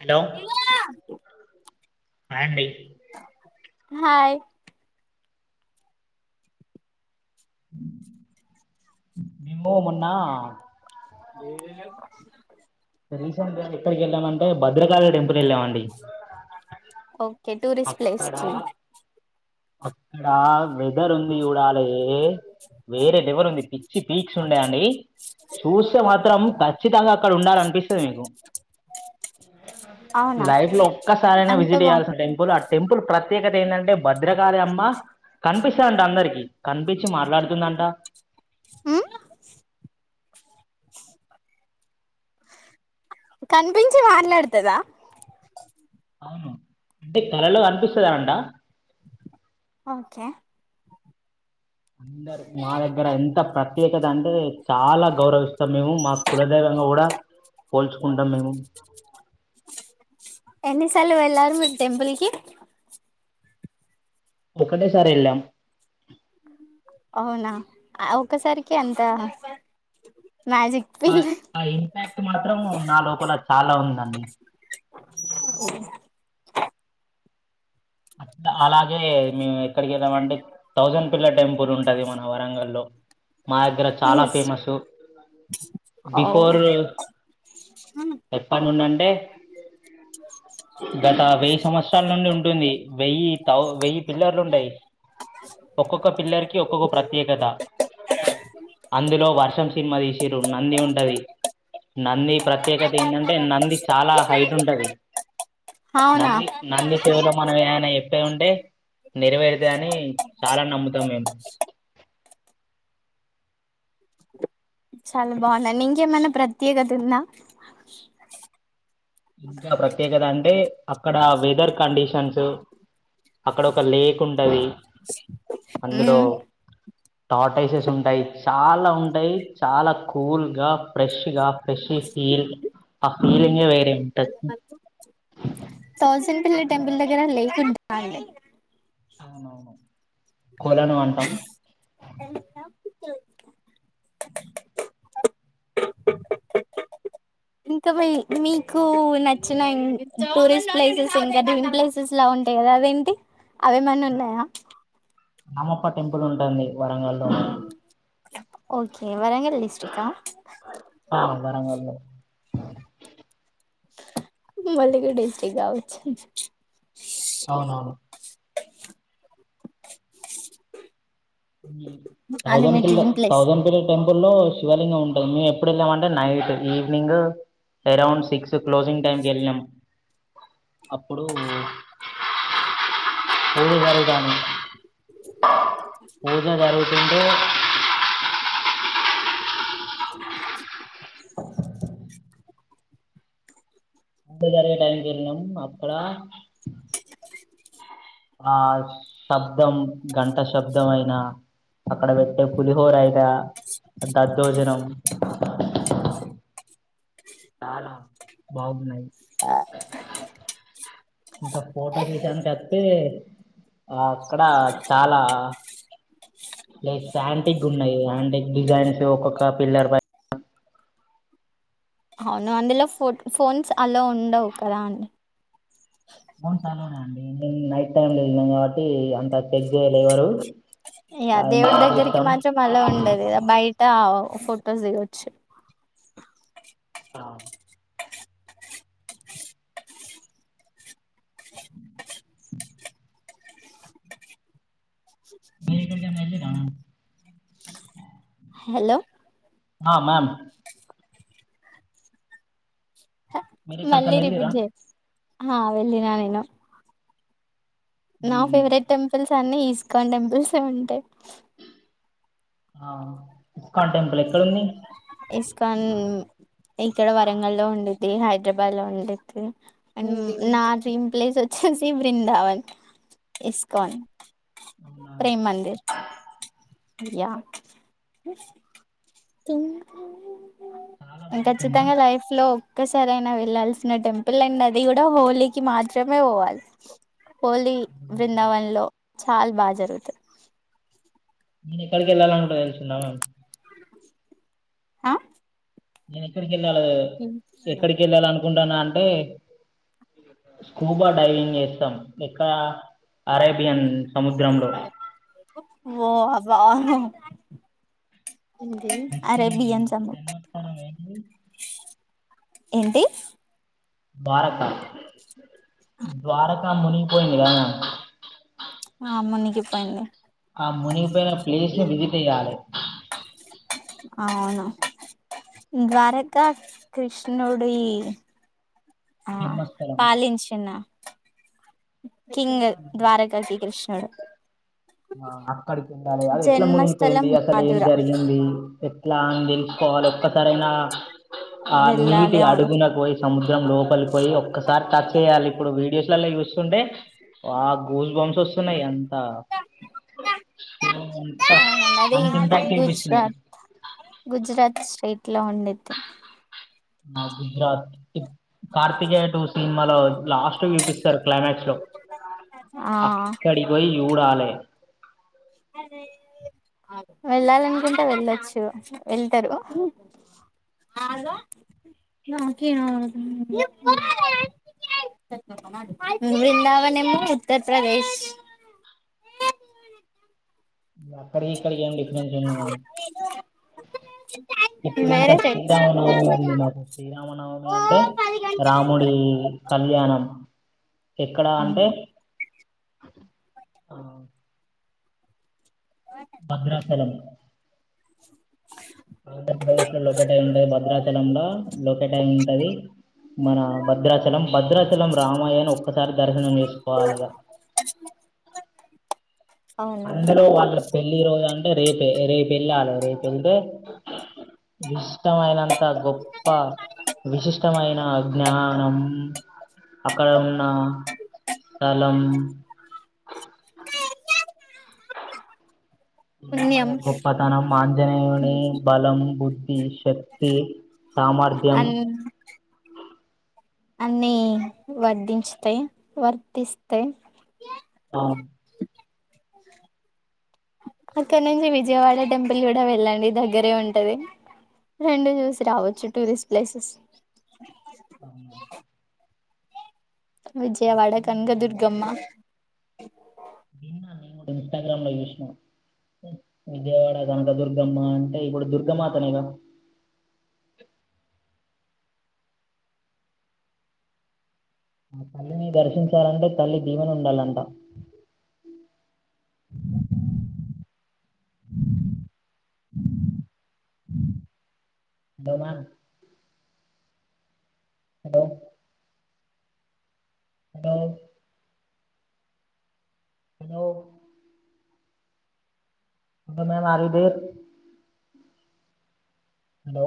Hello hi అండి hi మేమో మోన్నా [unintelligible] రీసెంట్గా ఎక్కడికి వెళ్ళామంటే భద్రకాళి టెంపుల్ వెళ్ళామండి ఎ టూరిస్ట్ అక్- ప్లేస్ అక్కడ వెదర్ ఉంది చూడాలే వేరే లెవర్ ఉంది పిచ్చి పీక్స్ ఉండే అండి చూస్తే మాత్రం ఖచ్చితంగా అక్కడ ఉండాలనిపిస్తది మీకు అవునా లైఫ్ లో ఒక్కసార అయినా అంత విజిట్ బా చేయయాల్సిన టెంపుల్ ఆ టెంపుల్ ప్రత్యేకత ఏంటంటే భద్రకాలి అమ్మా కనిపిస్తాంటఅందరికీ కంపిచ్చి మాట్లాడుతుందంట కనిపించి మాట్లాడుతదా అవును అంటే కలలో కనిపిస్తదన్నట ఓకే అందరు మా దగ్గర ఎంత ప్రత్యేకత అంటే చాలా గౌరవిస్తాం మేము మా కులదైవంగా కూడా పోల్చుకుంటాం మేము ఎన్నిసార్లు వెళ్ళారు మీరు టెంపుల్ కి ఒకంటే సార్ ఎల్లం అవునా ఆ ఒక్క సారికె అంత మ్యాజిక్ ఆ ఫీల్ ఆ ఇంపాక్ట్ మాత్రం నా లోపల చాలా ఉందండి ఓ అలాగే మేము ఎక్కడికి వెళ్ళామంటే థౌజండ్ పిల్ల టెంపుల్ ఉంటది మన వరంగల్ లో మా దగ్గర చాలా ఫేమస్ ఓ బిఫోర్ చెప్పనుండాన్ టే గత వెయ్యి సంవత్సరాల నుండి ఉంటుంది వేయ్యి వెయ్యి థౌ పిల్లర్లు ఉంటాయ్ ఒక్కొక్క పిల్లర్కి ఒక్కొక్క ప్రత్యేకత అందులో వర్షం సినిమా తీసిల్లు నంది ఉంటది నంది ప్రత్యేకత ఏంటంటే నంది చాలా హైట్ ఉంటది అవునా నంది నంది చెవులో మనమేమన్న చెప్పేదుంటే నెరవేరుతయాని చాలా నమ్ముతాం మేము చాలా బాగుదండి ఇంకేమైన్నా ప్రత్యేకత ఉందా ఇంకా ప్రత్యేకత అంటే అక్కడ వెదర్ కడిషన్స్ అక్కడ ఒక లేక్ ఉంటది అందులో టాటైసెస్ ఉంటాయి చాలా ఉంటాయి చాలా కూల్గా ఫ్రెష్గా ఫ్రెష్ ఫీల్ ఆ ఫీలింగే వే థౌసండ్ టెంపుల్ దగ్గర లేక్ ఉంటదా అండి అవునవును కొలను అంటాం అండి ఇంకా మీ మీకు నచ్చిన ఇం టూరిస్ట్ ప్లేసెస్ ఇంకా డ్రీన్ ప్లేసెస్ లా ఉంటాయ్ కద్ అదేంటి అవేమన్న ఉన్నాయా రామప్ప టెంపుల్ ఉంటుంది వరంగల్లో ఓకే వరంగల్ డిస్టిక్ట్ క ఆ వరంగల్లో ములుగు డిస్టక్ కావచ్చు అవునవును అది థౌజడ్ మీ pillar dream place thousand pillar temple లో శివలింగం ఉంటది మేము ఎప్పుడు వెళ్ళామంటే night evening around six closing టైంకి వెళ్ళినాము అప్పుడు పూజ జరుగుతాంది పూజ జరుగుతుంటే పూజ జరిగే టైంకకేళ్ళినాము అక్కడ ఆ శబ్దం గంట శబ్దం అయినా అక్కడ పెట్టే పులిహోరైన దద్దోజనం చాలా బాగునై ఇంకా ఫోటోస్ విషయానికి కతే అక్కడ చాలా లేక్ శాంటిక్ ఉన్నాయి ఆయాంటిక్ డిజైన్స్ ఒక్కొక్క పిల్లర్ పై అవును అందులో ఫో ఫోన్స్ అలో ఉండవు కదా అండి ఫోన్స్ అలొనె అండి మీమ్ నైట్ టైమ్ లో వెళ్ళినం కాబట్టి అంత చెక్ చేయలే ఎవరు యా అది మా దేవుడి దగ్గరికి అదృష్టం మాత్రం అలో ఉండదుకదా బయట ఫోటోస్ దేవొచ్చు. ఆహ్. మీరు ఎక్కడికైనా ఎల్లి రా హలో మా మ్యామ్. మీరు మళ్ళీ ఎక్కడికైనా వెళ్ళిర్రా రిపీట్ చేయి ఆహ్ వెళ్ళిన నేను. నా ఫేవరెట్ టెంపుల్స్ అన్ని ఈస్కాన్ టెంపుల్స్యే ఉంటాయి. ఆహ్ ఇస్కాన్ టెంపులే. ఇస్కాన్ ఇక్కడ వరంగల్లో ఉంది. ఇది హైదరాబాద్ లో ఉండెది అండ్ నా డ్రీమ్ ప్లేస్ వచ్చేసి బృందావన్. ఇస్కాన్. ఉమ్ అవునా. ప్రేమ్ మందిర్ యా. చాలా బాగుంటుందా ఖచ్చితంగా లైఫ్ లో. ఒక్కసారి అయినా వెళ్లాల్సిన టెంపుల్ అండి అది కూడా హోలీకి మాత్రమే పోవాలి. హోలీ బ్రిన్దావన్ లో చాలా బాగా జరుగుతది. ఉమ్ ఎక్కడికి ఎల్లల్లంటే అనుకున్నారా ఆన్. ఆహ్. నేను ఎక్కడికి ఏళ్ళాలే ఎక్కడికి ఏళ్ళాలి అనుకుంటాన్న అంటే. స్కూబా డైవింగ్ చేస్తాన్ ఎక్కడ అరై. వో అబ్బగుందండి. అరే కృష్ణుడి బియ్యం సంము. జన్మస్థానం ఏంటిది ఏంటి. ద్వారకా ద్వారకా మునిగిపోయిందిగా. ఆహ్ మునిగిపోయింది. ఆ మునిగిపోయిన ప్లేస్ని విజిట్ చేయ్యాలే ఆహ్ అవును ద్వారకా కృష్ణుడి. ఆహ్ జన్మస్థలం పాలించిన. కింగ్ ద్వారకా కి శ్రీ కృష్ణుడు. ఆహ్ అక్కడికి ఉండాలే అది ఎట్లా జన్మస్థలం మునిగిపోయింది అసలు ఏం మధుర జరిగింది. ఆహ్ అని తెలుసుకోవాలే ఒక్కసారైనా ఆ నీటి వెళ్ళాలి అవును అడుగునకు పోయి. సముద్రం లోపలికి పోయి ఒక్కసారి టచ్ చేయాలి ఇప్పుడు వీడియోస్లలో చూస్తుంటే. ఆహ్ గుస్ బమ్స్ వస్తున్నాయి అంత. ఆహ్ అంత మది ఇంపాక్ట్ గుజ్ చూపిస్తుంది రాత్ గుజరాత్. ఏట్లా ఉండెది. నా గుజరాత్. కార్తికేయ టు సినిమాలో లాస్ట్కి చూపిస్తారు క్లైమాక్స్ లో. ఆ అక్కడికి పోయి చూడాలే. వెళ్ళాలనుకుంటే వెళ్ళచ్చు వెళ్తారు. [unintelligible] బృందావనమేమో ఉత్తరప్రదేశ్. అక్కడికి ఇక్కడికి ఏం డిఫరెన్స్ ఉన్నాయి. ఇప్పుడు ఇంకా వేరే స్టేట్స్ శ్రీరామనవమి ఉంది మాకు శ్రీరామనవమి అంటే. రాముడి కళ్యాణం ఎక్కడ అంటే. అవును ఆహ్. భద్రాచలం. ఆంధ్రప్రదేశ్ లో లోకేట్ అయి ఉంటది భద్రాచలంలో లోకేట్ అయి ఉంటది. మన భద్రాచలం భద్రాచలం రామాయనీ ఒక్కసారి దర్శనం చేసుకోవాలిగా అవునండి అందులో వాళ్ళ పెళ్లి రోజు అంటే రేపే రేపు ఎల్లాలే రేపు వెళ్తే ఇష్టమైనైనంతా గొప్ప. విశిష్టమైన జ్ఞానం అక్కడ ఉన్న. స్థలం. పుణ్యం రామయ్య గొప్పతనం ఆంజనేయుని బలం బుద్ధి శక్తి సామర్థ్యం అన్నీ వర్ధించతాయ్ వర్తిస్తాయ్ ఆ అక్కడ నుంచి విజయవాడ టెంపుల్ కూడా వెళ్ళండి దగ్గరే ఉంటది రెండు చూసి రావచ్చు టూరిస్ట్ ప్లేసెస్ అవును విజయవాడ కనకదుర్గమ్మ నిన్న నేను ఇన్స్టగ్రామ్ లో చూసిన విజయవాడ కనుక దుర్గమ్మ అంటే ఇప్పుడు దుర్గ మాతనేగా ఆ తల్లిని దర్శించాలంటే తల్లి దీవెన ఉండాలంట ధబాన్ hello hello hello hello madam are you there hello